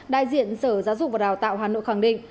đại diện sở giáo dục và đào tạo hà nội khẳng định